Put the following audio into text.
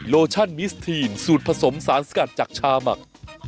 โลชั่นมิสทีนสูตรผสมสารสกัดจากชาหมัก